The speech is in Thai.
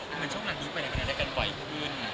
มีช่วงหลังทำไปกันไหน